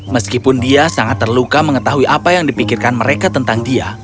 meskipun dia sangat terluka mengetahui apa yang dipikirkan mereka tentang dia